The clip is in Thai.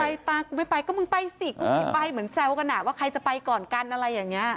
ตากูไม่ไปก็มึงไปสิไปเหมือนแซวกันอ่ะว่าใครจะไปก่อนกันอะไรอย่างนี้